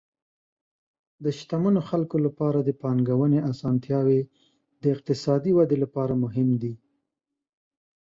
د شتمنو خلکو لپاره د پانګونې اسانتیاوې د اقتصادي ودې لپاره مهم دي.